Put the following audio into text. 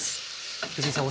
藤井さん